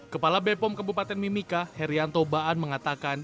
kepala bepom kabupaten mimika herianto baan mengatakan